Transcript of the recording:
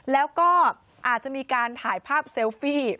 แล้วก็อาจจะมีการถ่ายภาพเซลฟี่